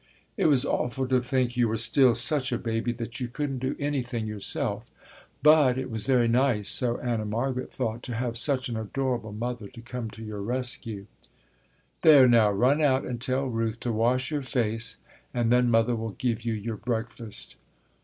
It was awful to think you were still such a baby that you couldn't do anything yourself, but it was very nice, so Anna Margaret thought, to have such an adorable mother to come to your rescue. "There now, run out and tell Ruth to wash your face and then mother will give you your breakfast."